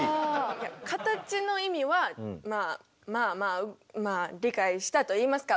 いや形の意味はまあまあまあ理解したといいますか。